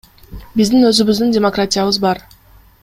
Биздин өзүбүздүн демократиябыз бар.